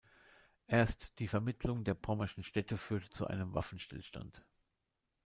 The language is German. Erst die Vermittlung der pommerschen Städte führte zu einem Waffenstillstand.